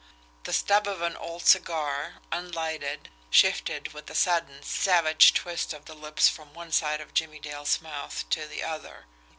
The stub of an old cigar, unlighted, shifted with a sudden, savage twist of the lips from one side of Jimmie Dale's mouth to the other.